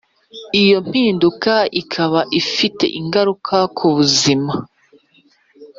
iyo mpinduka ikaba ifite ingaruka kubuzima